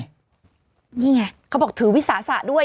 นี่ไงเขาบอกถือวิสาสะด้วย